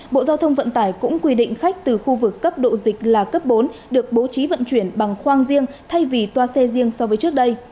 bộ giao thông vận tải cũng quy định khách từ khu vực cấp độ dịch là cấp bốn được bố trí vận chuyển bằng khoang riêng thay vì toa xe riêng so với trước đây